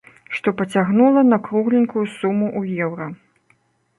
Што пацягнула на кругленькую суму ў еўра.